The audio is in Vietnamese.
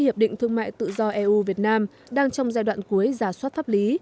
hiệp định thương mại tự do eu việt nam đang trong giai đoạn cuối giả soát pháp lý